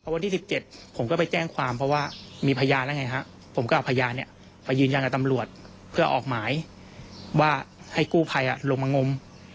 วันที่๑๗ผมก็ไปแจ้งความเพราะว่ามีพยานแล้วไงฮะผมก็เอาพยานไปยืนยันกับตำรวจเพื่อออกหมายว่าให้กู้ภัยลงมางม